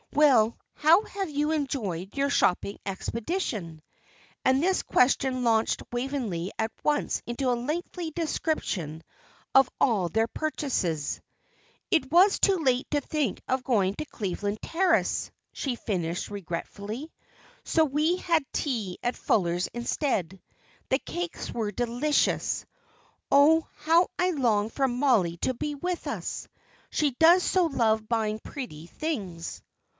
Well, how have you enjoyed your shopping expedition?" And this question launched Waveney at once into a lengthy description of all their purchases. "It was too late to think of going to Cleveland Terrace," she finished, regretfully, "so we had tea at Fuller's instead. The cakes were delicious. Oh, how I longed for Mollie to be with us! She does so love buying pretty things."